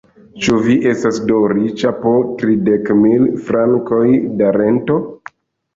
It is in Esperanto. Ĉu vi estas do riĉa po tridek mil frankoj da rento?